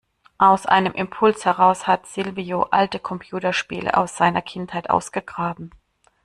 Aus einem Impuls heraus hat Silvio alte Computerspiele aus seiner Kindheit ausgegraben.